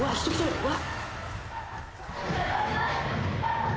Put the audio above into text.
うわっ！